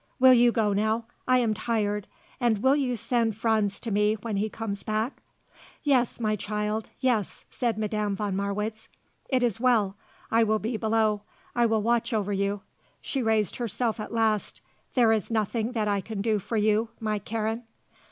Will you go now? I am tired. And will you send Franz to me when he comes back?" "Yes, my child; yes," said Madame von Marwitz. "It is well. I will be below. I will watch over you." She raised herself at last. "There is nothing that I can do for you, my Karen?"